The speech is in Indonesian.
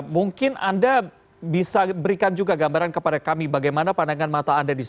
mungkin anda bisa berikan juga gambaran kepada kami bagaimana pandangan mata anda di sana